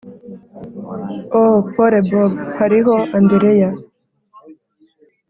oh, pole bob, hariho andereya.